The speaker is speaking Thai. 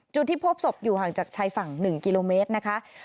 จุดที่พบศพอยู่ห่างจากชายฝั่ง๑กิโลเมตรนะคะ